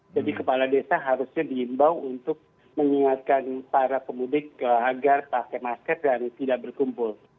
jadi kepala desa harusnya diimbau untuk mengingatkan para pemudik agar pakai masker dan tidak berkumpul